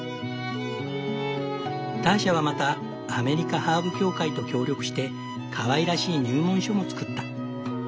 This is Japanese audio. ターシャはまたアメリカハーブ協会と協力してかわいらしい入門書も作った。